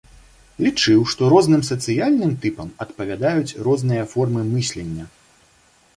Лічыў, што розным сацыяльным тыпам адпавядаюць розныя формы мыслення.